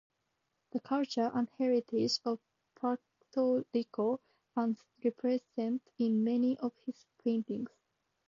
The culture and heritage of Puerto Rico are represented in many of his paintings.